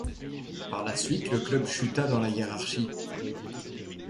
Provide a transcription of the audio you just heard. Par la suite, le club chuta dans la hiérarchie.